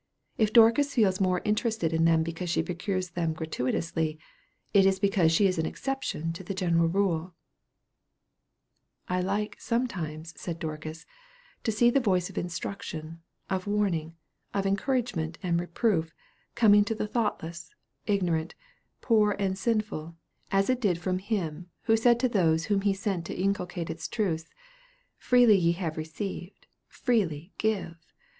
If Dorcas feels more interested in them because she procures them gratuitously, it is because she is an exception to the general rule." "I like sometimes," said Dorcas, "to see the voice of instruction, of warning, of encouragement, and reproof, coming to the thoughtless, ignorant, poor and sinful, as it did from him who said to those whom he sent to inculcate its truths, Freely ye have received, freely give.